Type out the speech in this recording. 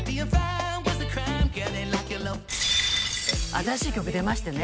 新しい曲出ましてね